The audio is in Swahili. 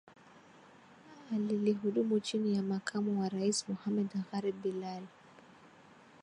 Alihudumu chini ya Makamu wa Rais Mohamed Gharib Bilal